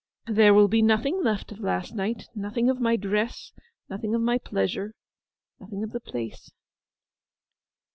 'There will be nothing left of last night—nothing of my dress, nothing of my pleasure, nothing of the place!